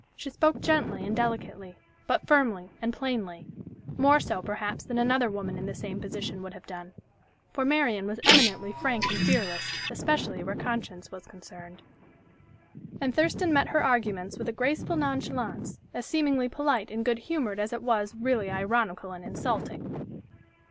She spoke gently and delicately, but firmly and plainly more so, perhaps, than another woman in the same position would have done, for Marian was eminently frank and fearless, especially where conscience was concerned. And Thurston met her arguments with a graceful nonchalance, as seemingly polite and good humored as it was really ironical and insulting.